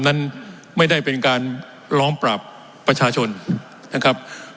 นั้นไม่ได้เป็นการล้อมปรับประชาชนนะครับ